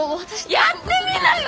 やってみなよ！